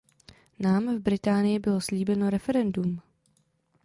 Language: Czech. Nám v Británii bylo slíbeno referendum.